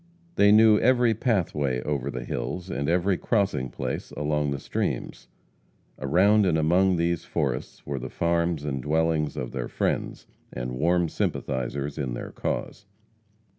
They knew every pathway over the hills, and every crossing place along the streams. Around and among these forests were the farms and dwellings of their friends, and warm sympathizers in their cause.